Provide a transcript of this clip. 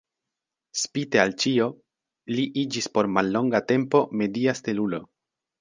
Spite al ĉio, li iĝis por mallonga tempo media stelulo.